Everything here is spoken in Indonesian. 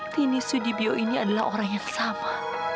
tini sudibyo ini adalah orang yang sama